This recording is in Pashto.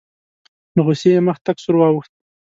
له غوسې یې مخ تک سور واوښت.